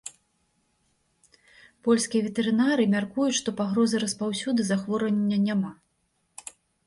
Польскія ветэрынары мяркуюць, што пагрозы распаўсюды захворвання няма.